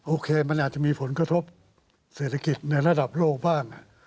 โอเคมันอาจจะมีผลกระทบเศรษฐกิจในระดับโลกบ้าง